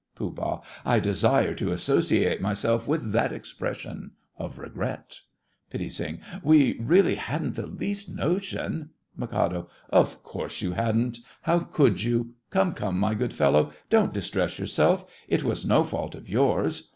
POOH. I desire to associate myself with that expression of regret. PITTI. We really hadn't the least notion— MIK. Of course you hadn't. How could you? Come, come, my good fellow, don't distress yourself—it was no fault of yours.